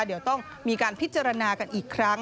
เดี๋ยวต้องมีการพิจารณากันอีกครั้ง